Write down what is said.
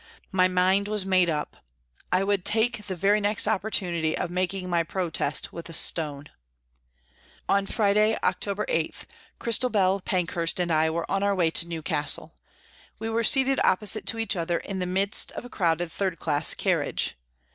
My mind was made up. I would take the very next opportunity of making my protest with a stone. On Friday, October 8, Christabel Pankhurst and I were on our way to Newcastle. We were seated opposite to each other in the midst of a crowded third class carriage.